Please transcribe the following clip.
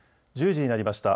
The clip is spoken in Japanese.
１０時になりました。